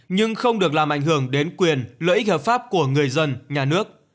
nhưng không được làm ảnh hưởng đến quyền lợi ích hợp pháp của người dân nhà nước